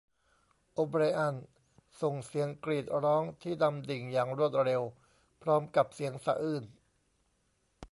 โอไบรอันส่งเสียงกรีดร้องที่ดำดิ่งอย่างรวดเร็วพร้อมกับเสียงสะอื้น